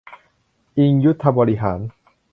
อิงคยุทธบริหาร